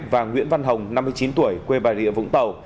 và nguyễn văn hồng năm mươi chín tuổi quê bà rịa vũng tàu